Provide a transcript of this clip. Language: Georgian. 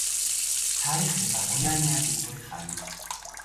თარიღდება გვიანი ანტიკური ხანით.